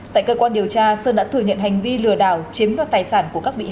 tại cơ quan điều tra sơn đã thừa nhận hành vi lừa đảo chiếm đất tài sản